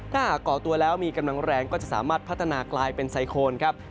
ถ้าหากก่อตัวแล้วมีกำลังแรงก็จะสามารถพัฒนากลายเป็นไซโคนครับ